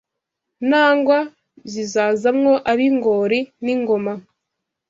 Nangwa zizaza mwo ab’ingori n’ingoma